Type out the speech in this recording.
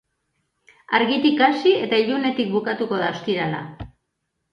Argitik hasi eta ilunetik bukatuko da ostirala.